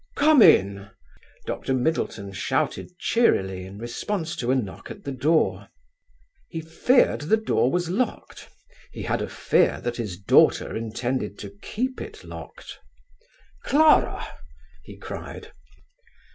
Come in!" Dr. Middleton shouted cheerily in response to a knock at the door. He feared the door was locked: he had a fear that his daughter intended to keep it locked. "Clara!" he cried.